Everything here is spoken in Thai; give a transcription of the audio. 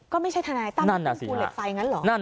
ก็ไม่ใช่ธนายตั้มบึงพูดภูเหล็กไฟนั้นหรอ